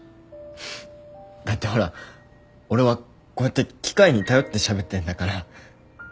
だってほら俺はこうやって機械に頼ってしゃべってんだから。